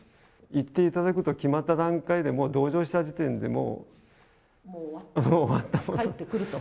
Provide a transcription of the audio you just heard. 行っていただくと決まった段階で、もう同乗した時点でもう、終わったものと。